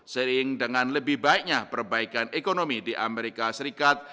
sering dengan lebih baiknya perbaikan ekonomi di amerika serikat